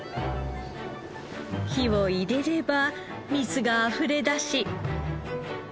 火を入れれば蜜があふれ出し。